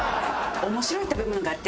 面白い食べ物があって。